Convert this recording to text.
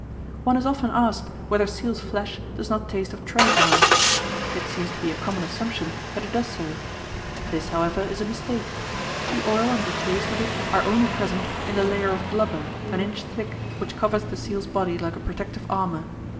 One is often asked whether seal's flesh does not taste of train oil. It seems to be a common assumption that it does so. This, however, is a mistake; the oil and the taste of it are only present in the layer of blubber, an inch thick, which covers the seal's body like a protective armour.